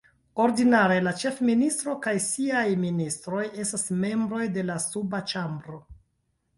Ordinare, la ĉefministro kaj siaj ministroj estas membroj de la suba ĉambro.